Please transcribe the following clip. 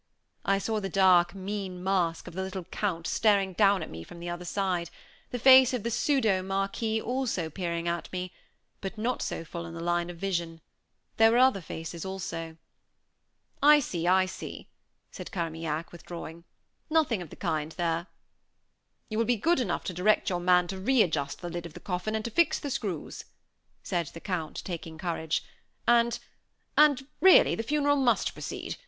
I saw the dark, mean mask of the little Count staring down at me from the other side; the face of the pseudo Marquis also peering at me, but not so full in the line of vision; there were other faces also. "I see, I see," said Carmaignac, withdrawing. "Nothing of the kind there." "You will be good enough to direct your man to re adjust the lid of the coffin, and to fix the screws," said the Count, taking courage; "and and really the funeral must proceed.